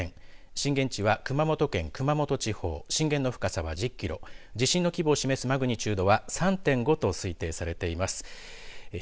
震源地は熊本県熊本地方震源の深さは１０キロ地震の規模を示すマグニチュードは３．５と推定されています。